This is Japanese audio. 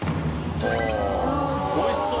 ◆舛叩おいしそう。